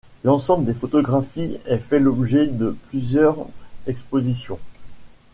L'ensemble des photographies a fait l'objet de plusieurs expositions.